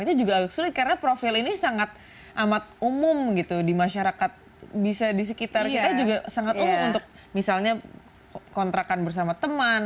itu juga agak sulit karena profil ini sangat amat umum gitu di masyarakat bisa di sekitar kita juga sangat umum untuk misalnya kontrakan bersama teman